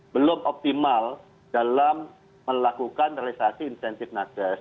belum optimal dalam melakukan realisasi insentif nakes